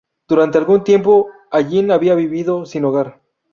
Durante algún tiempo, Allin había vivido sin hogar.